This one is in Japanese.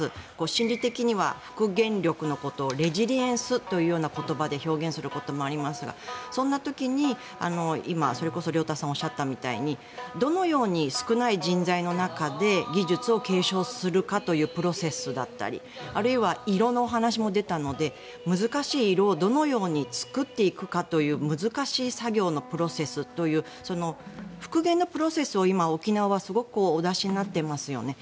心理的には復元力のことをレジリエンスという言葉で表現することもありますがそんな時に、それこそ今亮太さんがおっしゃったみたいにどのように少ない人材の中で技術を継承するかというプロセスだったりあるいは色の話も出たので難しい色をどのように作っていくかという難しい作業のプロセスという復元のプロセスを今、沖縄はお出しになっていますよね。